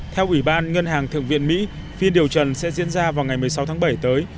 theo ủy ban ngân hàng thượng viện mỹ phiên điều trần sẽ diễn ra vào ngày một mươi sáu tháng bảy tới